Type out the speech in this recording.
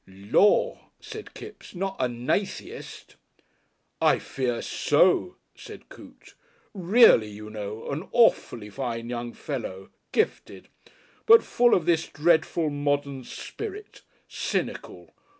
"Lor'!" said Kipps, "not a Natheist?" "I fear so," said Coote. "Really, you know, an awfully fine young fellow Gifted! But full of this dreadful Modern Spirit Cynical!